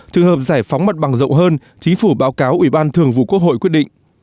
trường hợp giải phóng mặt bằng rộng hơn chính phủ báo cáo ủy ban thường vụ quốc hội quyết định